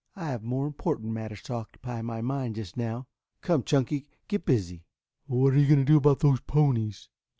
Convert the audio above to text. "I have more important matters to occupy my mind just now. Come, Chunky, get busy." "What are you going to do about those ponies?"